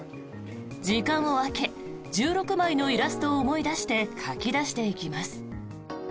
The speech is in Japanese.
時間を空け１６枚のイラストを思い出して書き出していきます。